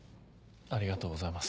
ありがとうございます。